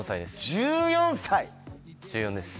１４歳⁉１４です。